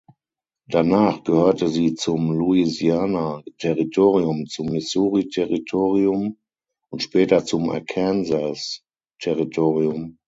Danach gehörte sie zum Louisiana-Territorium, zum Missouri-Territorium und später zum Arkansas-Territorium.